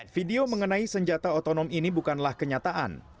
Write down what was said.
video mengenai senjata otonom ini bukanlah kenyataan